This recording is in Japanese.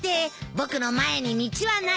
「僕の前に道はない。